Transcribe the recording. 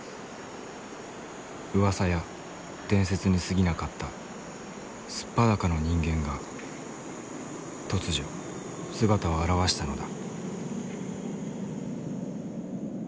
うわさや伝説にすぎなかった素っ裸の人間が突如姿を現したのだ。